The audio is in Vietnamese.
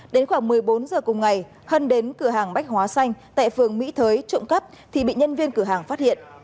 đến khoảng một mươi bốn giờ cùng ngày hân đến cửa hàng bách hóa xanh tại phường mỹ thới trộm cắp thì bị nhân viên cửa hàng phát hiện